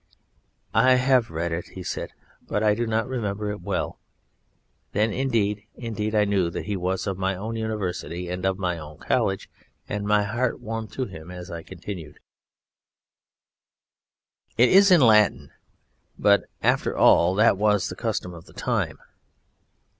"I have read it," he said, "but I do not remember it well." Then, indeed, indeed I knew that he was of my own University and of my own college, and my heart warmed to him as I continued: "It is in Latin; but, after all, that was the custom of the time."